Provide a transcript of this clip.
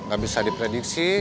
gak bisa diprediksi